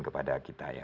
kepada kita ya